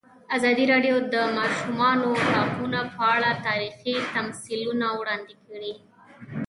ازادي راډیو د د ماشومانو حقونه په اړه تاریخي تمثیلونه وړاندې کړي.